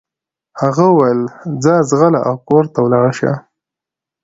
هغه وويل ځه ځغله او کور ته ولاړه شه.